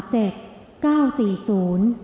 จีน